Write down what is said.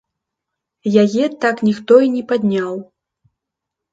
Яе так ніхто і не падняў.